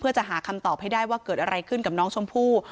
เพื่อจะหาคำตอบให้ได้ว่าเกิดอะไรขึ้นกับน้องชมพู่